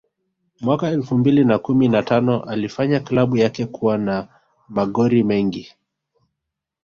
Mwaka elfu mbili na kumi na tano alifanya klabu yake kuwa na magori mengi